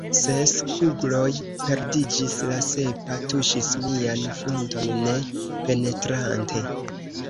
Ses kugloj perdiĝis; la sepa tuŝis mian frunton ne penetrante.